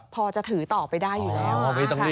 พอจะถือต่อไปได้อยู่แล้ว